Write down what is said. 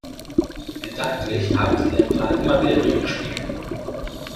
Gedanklich haben sie ihren Plan immer wieder durchgespielt.